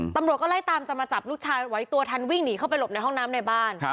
ตำรวจก็ไล่ตามจะมาจับลูกชายไว้ตัวทันวิ่งหนีเข้าไปหลบในห้องน้ำในบ้าน